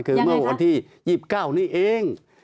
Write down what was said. คือเมื่อวันที่๒๙นี่เอง